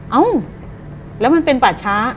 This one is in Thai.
เอ้าแล้วมันเป็นป่าช้า